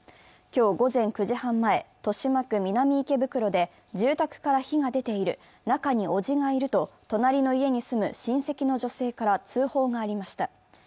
今日午前９時半前、豊島区南池袋で住宅から火が出ている、中に叔父がいると隣の家に住む親戚の女性から通報がありました。